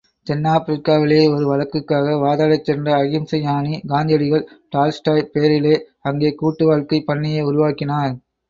தென்னாப்பிரிக்காவிலே ஒரு வழக்குக்காக வாதாடச்சென்ற அகிம்சை ஞானி காந்தியடிகள், டால்ஸ்டாய் பெயரிலே அங்கே கூட்டு வாழ்க்கை பண்ணையை உருவாக்கினார்.